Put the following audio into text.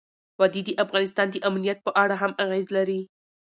وادي د افغانستان د امنیت په اړه هم اغېز لري.